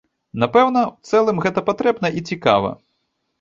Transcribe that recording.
Напэўна, у цэлым гэта патрэбна і цікава.